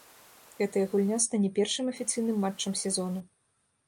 Гэтая гульня стане першым афіцыйным матчам сезону.